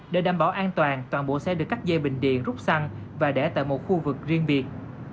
để đảm bảo an toàn toàn bộ xe được cắt dây bình điện rút xăng và để tại một khu vực riêng biệt